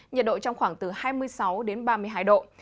nhiệt độ trong khoảng từ hai mươi sáu ba mươi hai độ